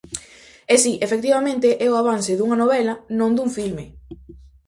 E si, efectivamente, é o avance dunha novela, non dun filme.